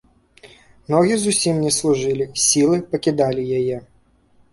Ногі зусім не служылі, сілы пакідалі яе.